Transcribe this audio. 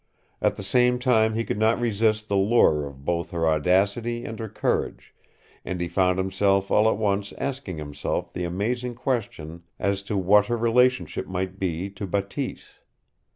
At the same time he could not resist the lure of both her audacity and her courage, and he found himself all at once asking himself the amazing question as to what her relationship might be to Bateese.